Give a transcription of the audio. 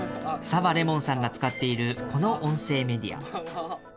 澤檸檬さんが使っているこの音声メディア。